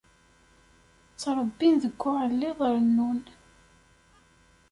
Ttṛebbin deg uɛelliḍ rennun.